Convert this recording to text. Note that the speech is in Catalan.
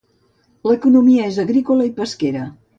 L'economia és agrícola i pesquera.